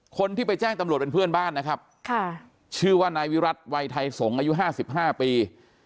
คนที่ไปแจ้งตำรวจเป็นเพื่อนบ้านนะครับชื่อว่านายวิรัติวัยไทยสงศ์อายุ๕๕ปี